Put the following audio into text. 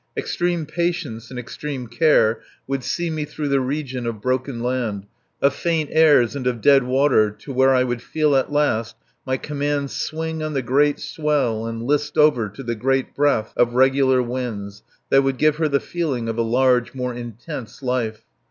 Extreme patience and extreme care would see me through the region of broken land, of faint airs, and of dead water to where I would feel at last my command swing on the great swell and list over to the great breath of regular winds, that would give her the feeling of a large, more intense life.